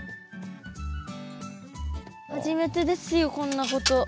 初めてですよこんなこと。